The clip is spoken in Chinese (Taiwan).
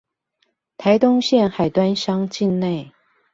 臺東縣海端鄉境內